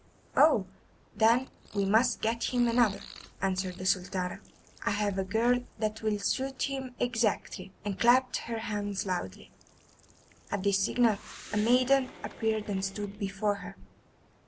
"Oh, then we must get him another," answered the Sultana; "I have a girl that will suit him exactly," and clapped her hands loudly. At this signal a maiden appeared and stood before her.